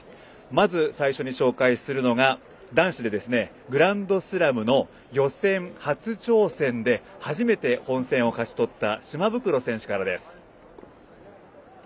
まず最初に紹介するのが、男子でグランドスラムの予選初挑戦で初めて本戦を勝ち取った島袋選手からです。